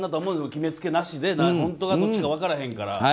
決めつけなしで本当がどっちか分からへんから。